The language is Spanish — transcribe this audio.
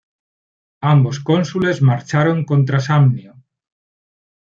Ambos cónsules marcharon contra Samnio.